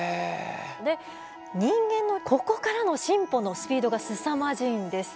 で人間のここからの進歩のスピードがすさまじいんです。